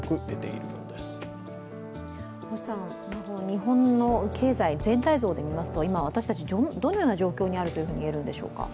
日本の経済全体像で見ますと、今私たち、どのような状況にあると言えるんでしょうか？